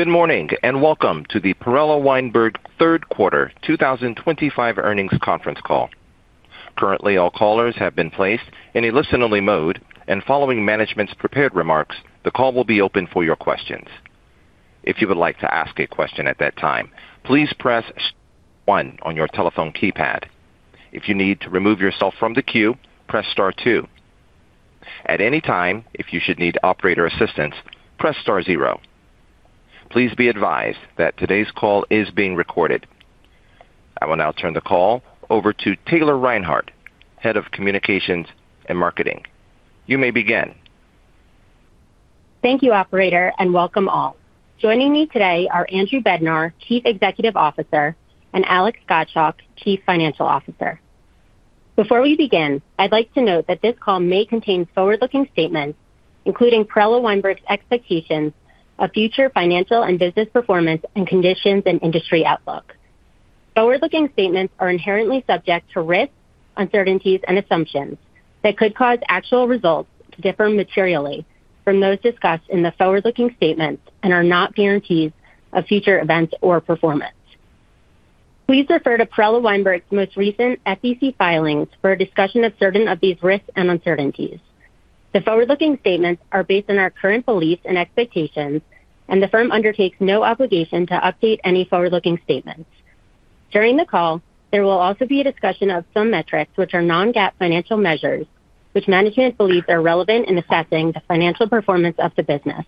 Good morning and welcome to the Perella Weinberg Third Quarter 2025 earnings conference call. Currently, all callers have been placed in a listen-only mode, and following management's prepared remarks, the call will be open for your questions. If you would like to ask a question at that time, please press Star 1 on your telephone keypad. If you need to remove yourself from the queue, press star two. At any time, if you should need operator assistance, press star zero. Please be advised that today's call is being recorded. I will now turn the call over to Taylor Reinhardt, Head of Communications and Marketing. You may begin. Thank you, Operator, and welcome all. Joining me today are Andrew Bednar, Chief Executive Officer, and Alex Gottschalk, Chief Financial Officer. Before we begin, I'd like to note that this call may contain forward-looking statements, including Perella Weinberg's expectations of future financial and business performance and conditions and industry outlook. Forward-looking statements are inherently subject to risks, uncertainties, and assumptions that could cause actual results to differ materially from those discussed in the forward-looking statements and are not guarantees of future events or performance. Please refer to Perella Weinberg's most recent SEC filings for a discussion of certain of these risks and uncertainties. The forward-looking statements are based on our current beliefs and expectations, and the firm undertakes no obligation to update any forward-looking statements. During the call, there will also be a discussion of some metrics, which are non-GAAP financial measures, which management believes are relevant in assessing the financial performance of the business.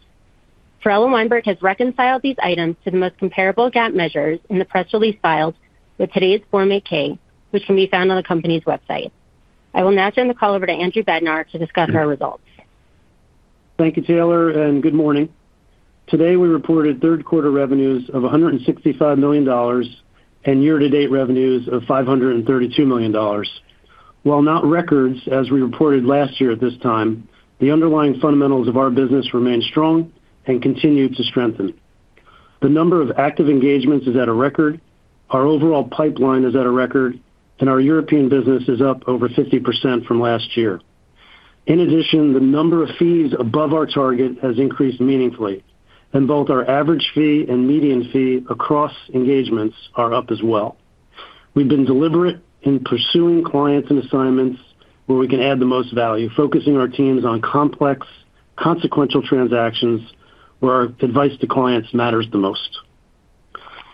Perella Weinberg has reconciled these items to the most comparable GAAP measures in the press release filed with today's Form 8-K, which can be found on the company's website. I will now turn the call over to Andrew Bednar to discuss our results. Thank you, Taylor, and good morning. Today, we reported third quarter revenues of $165 million and year-to-date revenues of $532 million. While not records as we reported last year at this time, the underlying fundamentals of our business remain strong and continue to strengthen. The number of active engagements is at a record, our overall pipeline is at a record, and our European business is up over 50% from last year. In addition, the number of fees above our target has increased meaningfully, and both our average fee and median fee across engagements are up as well. We've been deliberate in pursuing clients and assignments where we can add the most value, focusing our teams on complex, consequential transactions where our advice to clients matters the most.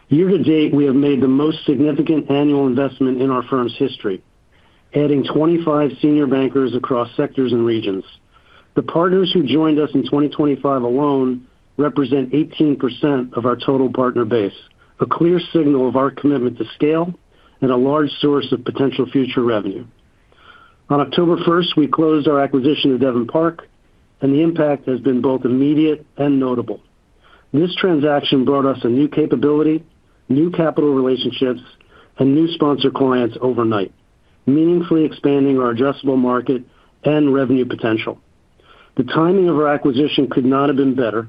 Year-to-date, we have made the most significant annual investment in our firm's history, adding 25 senior bankers across sectors and regions. The partners who joined us in 2025 alone represent 18% of our total partner base, a clear signal of our commitment to scale and a large source of potential future revenue. On October 1, we closed our acquisition of Devon Park, and the impact has been both immediate and notable. This transaction brought us a new capability, new capital relationships, and new sponsor clients overnight, meaningfully expanding our addressable market and revenue potential. The timing of our acquisition could not have been better,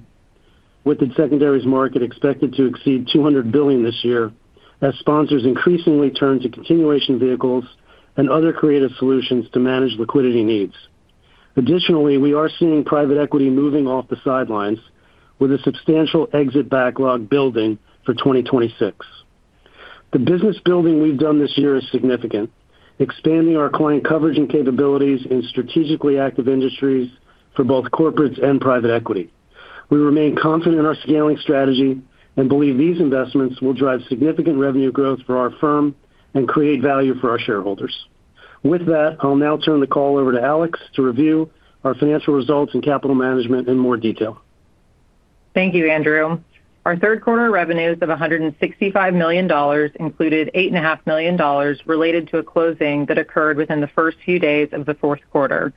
with the secondary market expected to exceed $200 billion this year as sponsors increasingly turn to continuation vehicles and other creative solutions to manage liquidity needs. Additionally, we are seeing private equity moving off the sidelines with a substantial exit backlog building for 2026. The business building we've done this year is significant, expanding our client coverage and capabilities in strategically active industries for both corporates and private equity. We remain confident in our scaling strategy and believe these investments will drive significant revenue growth for our firm and create value for our shareholders. With that, I'll now turn the call over to Alex to review our financial results and capital management in more detail. Thank you, Andrew. Our third quarter revenues of $165 million included $8.5 million related to a closing that occurred within the first few days of the fourth quarter,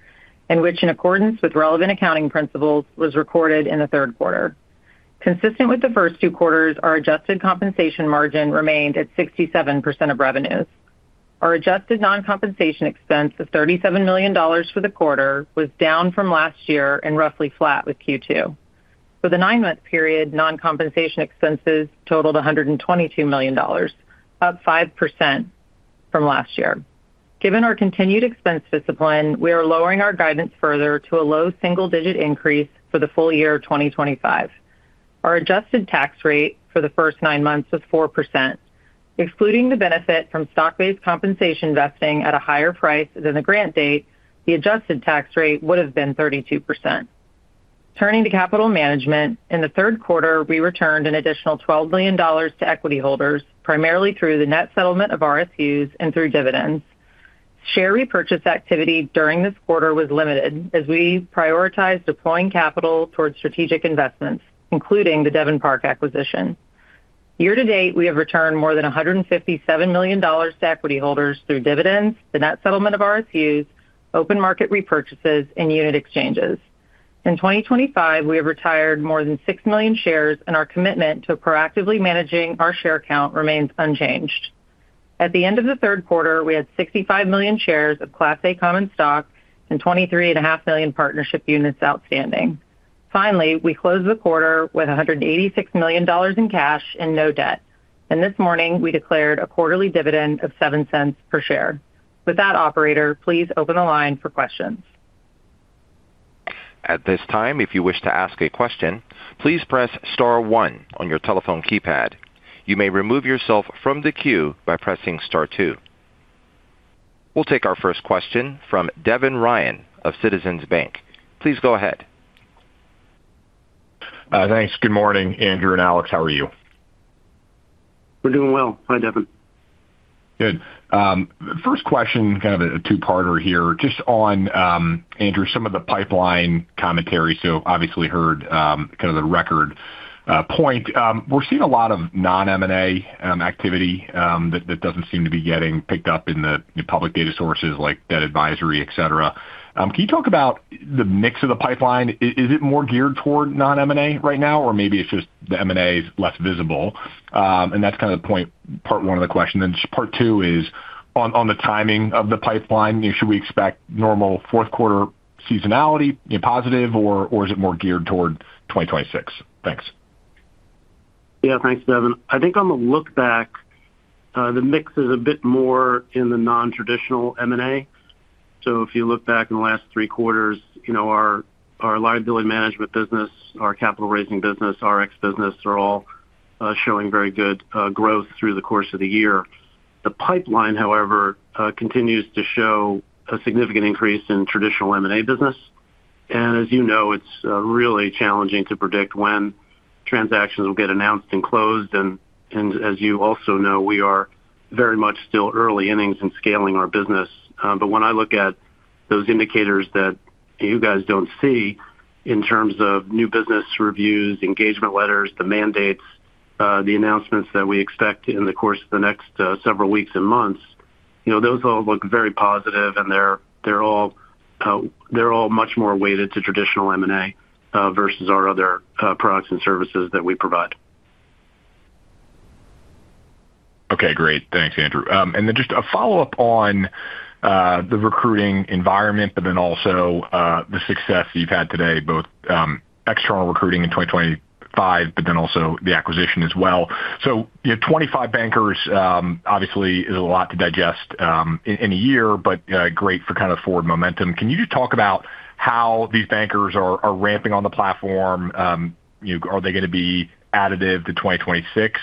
and which, in accordance with relevant accounting principles, was recorded in the third quarter. Consistent with the first two quarters, our adjusted compensation margin remained at 67% of revenues. Our adjusted non-compensation expense of $37 million for the quarter was down from last year and roughly flat with Q2. For the nine-month period, non-compensation expenses totaled $122 million, up 5% from last year. Given our continued expense discipline, we are lowering our guidance further to a low single-digit increase for the full year of 2025. Our adjusted tax rate for the first nine months was 4%. Excluding the benefit from stock-based compensation vesting at a higher price than the grant date, the adjusted tax rate would have been 32%. Turning to capital management, in the third quarter, we returned an additional $12 million to equity holders, primarily through the net settlement of RSUs and through dividends. Share repurchase activity during this quarter was limited as we prioritized deploying capital towards strategic investments, including the Devon Park acquisition. Year-to-date, we have returned more than $157 million to equity holders through dividends, the net settlement of RSUs, open market repurchases, and unit exchanges. In 2025, we have retired more than 6 million shares, and our commitment to proactively managing our share count remains unchanged. At the end of the third quarter, we had 65 million shares of Class A Common Stock and 23.5 million partnership units outstanding. Finally, we closed the quarter with $186 million in cash and no debt, and this morning we declared a quarterly dividend of $0.07 per share. With that, Operator, please open the line for questions. At this time, if you wish to ask a question, please press star one on your telephone keypad. You may remove yourself from the queue by pressing star two. We'll take our first question from Devin Ryan of Citizens Bank. Please go ahead. Thanks. Good morning, Andrew and Alex. How are you? We're doing well. Hi, Devin. Good. First question, kind of a two-parter here, just on, Andrew, some of the pipeline commentary. Obviously, heard kind of the record point. We're seeing a lot of non-M&A activity that doesn't seem to be getting picked up in the public data sources like debt advisory, etc. Can you talk about the mix of the pipeline? Is it more geared toward non-M&A right now, or maybe it's just the M&A is less visible? That's kind of the point, part one of the question. Part two is on the timing of the pipeline. Should we expect normal fourth quarter seasonality, positive, or is it more geared toward 2026? Thanks. Yeah, thanks, Devin. I think on the look back, the mix is a bit more in the non-traditional M&A. If you look back in the last three quarters, our liability management business, our capital-raising business, our X business are all showing very good growth through the course of the year. The pipeline, however, continues to show a significant increase in traditional M&A business. As you know, it's really challenging to predict when transactions will get announced and closed. As you also know, we are very much still early innings in scaling our business. When I look at those indicators that you guys do not see in terms of new business reviews, engagement letters, the mandates, the announcements that we expect in the course of the next several weeks and months, those all look very positive, and they are all much more weighted to traditional M&A versus our other products and services that we provide. Okay, great. Thanks, Andrew. Just a follow-up on the recruiting environment, but then also the success that you've had today, both external recruiting in 2025, but then also the acquisition as well. Twenty-five bankers, obviously, is a lot to digest in a year, but great for kind of forward momentum. Can you just talk about how these bankers are ramping on the platform? Are they going to be additive to 2026,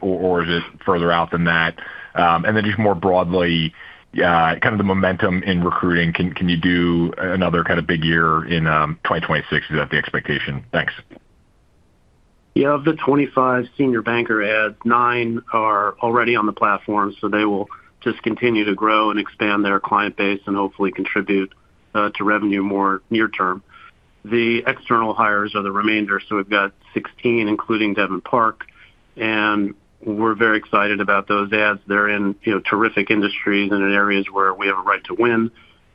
or is it further out than that? Just more broadly, kind of the momentum in recruiting, can you do another kind of big year in 2026? Is that the expectation? Thanks. Yeah, of the 25 senior banker ads, nine are already on the platform, so they will just continue to grow and expand their client base and hopefully contribute to revenue more near term. The external hires are the remainder, so we've got 16, including Devon Park, and we're very excited about those ads. They're in terrific industries and in areas where we have a right to win,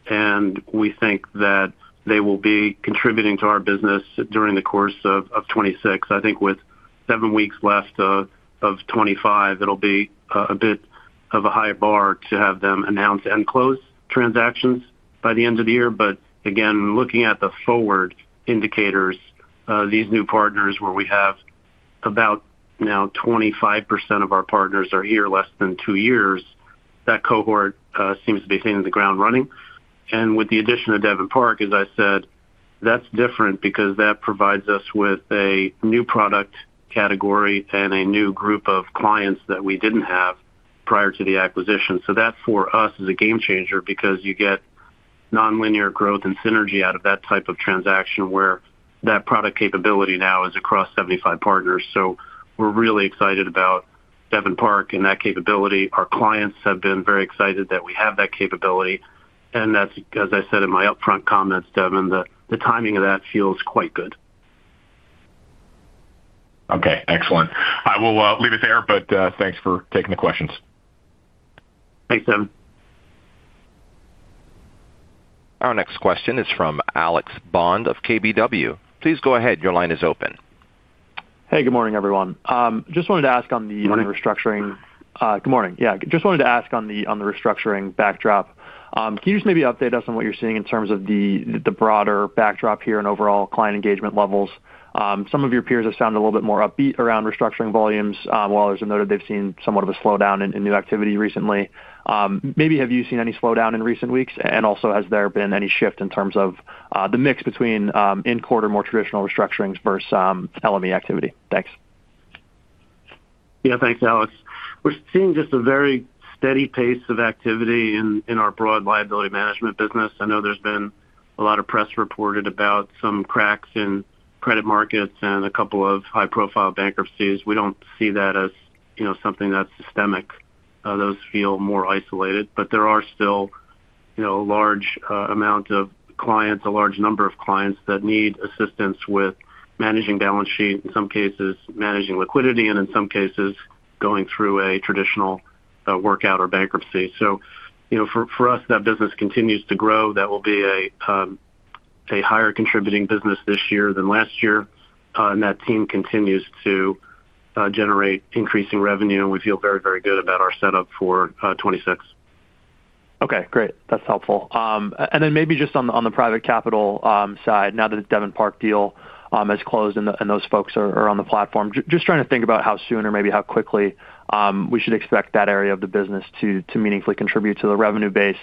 and we think that they will be contributing to our business during the course of 2026. I think with seven weeks left of 2025, it'll be a bit of a higher bar to have them announce and close transactions by the end of the year. Again, looking at the forward indicators, these new partners where we have about now 25% of our partners are here less than two years, that cohort seems to be hitting the ground running. With the addition of Devon Park, as I said, that's different because that provides us with a new product category and a new group of clients that we didn't have prior to the acquisition. That, for us, is a game changer because you get non-linear growth and synergy out of that type of transaction where that product capability now is across 75 partners. We're really excited about Devon Park and that capability. Our clients have been very excited that we have that capability, and that's, as I said in my upfront comments, Devin, the timing of that feels quite good. Okay, excellent. I will leave it there, but thanks for taking the questions. Thanks, Devin. Our next question is from Alex Bond of KBW. Please go ahead. Your line is open. Hey, good morning, everyone. Just wanted to ask on the restructuring. Good morning. Good morning. Yeah, just wanted to ask on the restructuring backdrop. Can you just maybe update us on what you're seeing in terms of the broader backdrop here and overall client engagement levels? Some of your peers have sounded a little bit more upbeat around restructuring volumes, while there's a note that they've seen somewhat of a slowdown in new activity recently. Maybe, have you seen any slowdown in recent weeks, and also, has there been any shift in terms of the mix between in-quarter more traditional restructurings versus LME activity? Thanks. Yeah, thanks, Alex. We're seeing just a very steady pace of activity in our broad liability management business. I know there's been a lot of press reported about some cracks in credit markets and a couple of high-profile bankruptcies. We don't see that as something that's systemic. Those feel more isolated, but there are still a large number of clients that need assistance with managing balance sheet, in some cases managing liquidity, and in some cases going through a traditional workout or bankruptcy. For us, that business continues to grow. That will be a higher contributing business this year than last year, and that team continues to generate increasing revenue, and we feel very, very good about our setup for 2026. Okay, great. That's helpful. Maybe just on the private capital side, now that the Devon Park deal has closed and those folks are on the platform, just trying to think about how soon or maybe how quickly we should expect that area of the business to meaningfully contribute to the revenue base,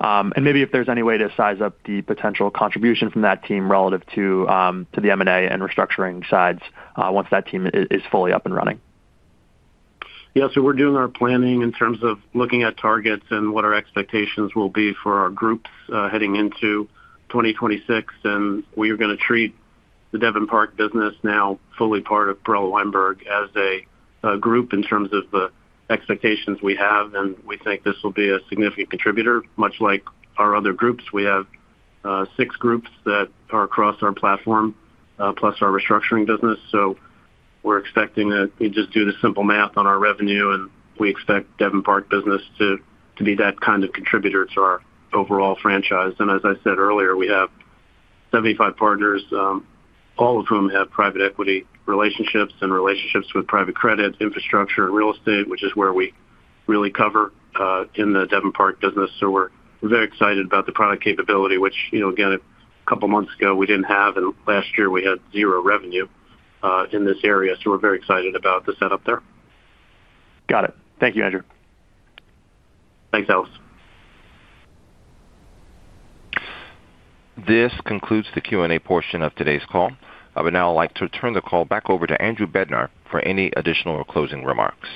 and maybe if there's any way to size up the potential contribution from that team relative to the M&A and restructuring sides once that team is fully up and running. Yeah, so we're doing our planning in terms of looking at targets and what our expectations will be for our groups heading into 2026, and we are going to treat the Devon Park business now fully part of Perella Weinberg as a group in terms of the expectations we have, and we think this will be a significant contributor, much like our other groups. We have six groups that are across our platform plus our restructuring business, so we're expecting that we just do the simple math on our revenue, and we expect Devon Park business to be that kind of contributor to our overall franchise. As I said earlier, we have 75 partners, all of whom have private equity relationships and relationships with private credit, infrastructure, and real estate, which is where we really cover in the Devon Park business. We're very excited about the product capability, which, again, a couple of months ago we didn't have, and last year we had zero revenue in this area. We're very excited about the setup there. Got it. Thank you, Andrew. Thanks, Alex. This concludes the Q&A portion of today's call, but now I'd like to turn the call back over to Andrew Bednar for any additional closing remarks.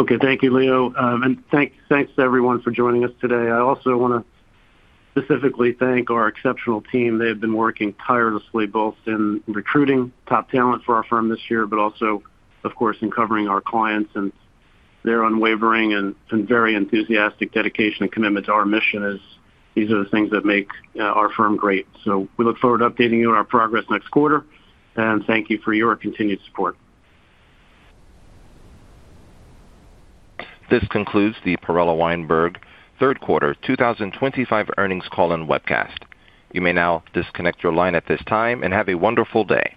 Okay, thank you, Leo, and thanks to everyone for joining us today. I also want to specifically thank our exceptional team. They have been working tirelessly both in recruiting top talent for our firm this year, but also, of course, in covering our clients, and their unwavering and very enthusiastic dedication and commitment to our mission is these are the things that make our firm great. We look forward to updating you on our progress next quarter, and thank you for your continued support. This concludes the Perella Weinberg Third Quarter 2025 Earnings Call and Webcast. You may now disconnect your line at this time and have a wonderful day.